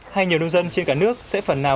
hay nhiều nông dân trên cả nước sẽ phần nào